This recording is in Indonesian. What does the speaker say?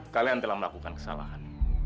kalian telah melakukan kesalahan